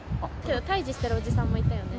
退治してるおじさんもいたよね。